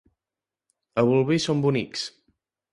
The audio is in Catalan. A Bolvir són bonics.